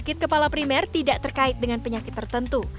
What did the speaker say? sakit kepala primer tidak terkait dengan penyakit tertentu